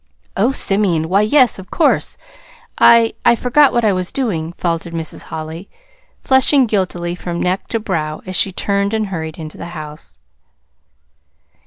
"Oh, Simeon! Why, yes, of course. I I forgot what I was doing," faltered Mrs. Holly, flushing guiltily from neck to brow as she turned and hurried into the house.